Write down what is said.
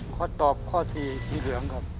ขอตอบข้อสี่สีเหลืองครับ